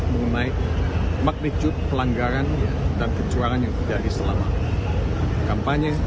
mengenai magnitude pelanggaran tentang kecurangan yang terjadi selama kampanye